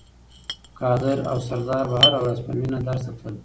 قادر او سردار به هره ورځ په مینه درس ته تلل.